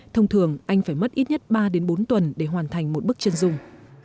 thông thường anh phải mất ít nhất ba đến bốn tuần để hoàn thành một bức chân dung